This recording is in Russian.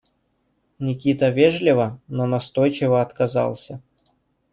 Никита вежливо, но настойчиво отказался.